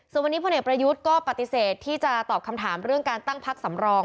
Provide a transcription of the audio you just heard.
ส่วนวันนี้พลเอกประยุทธ์ก็ปฏิเสธที่จะตอบคำถามเรื่องการตั้งพักสำรอง